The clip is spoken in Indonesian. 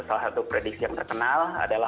salah satu prediksi yang terkenal adalah